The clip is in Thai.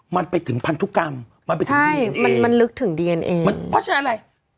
มันไปถึงพันธุกรรมมันไปถึงใช่มันมันลึกถึงดีเอ็นเอมันเพราะฉะนั้นอะไร